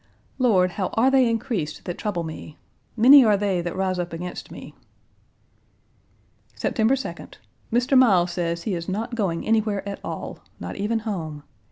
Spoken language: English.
Lord, how are they increased that trouble me? Many are they that rise up against me!" September 2d. Mr. Miles says he is not going anywhere at all, not even home.